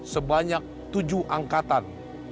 sebanyak tujuh angkatan